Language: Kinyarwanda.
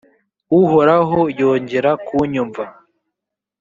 uhoraho yongera kunyumva.